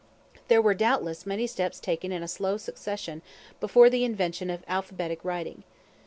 There were, doubtless, many steps taken in slow succession before the invention of alphabetic writing.